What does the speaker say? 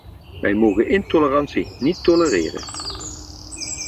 We mogen intolerantie niet tolereren.